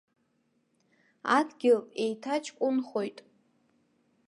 Адгьыл еиҭаҷкәынхоит.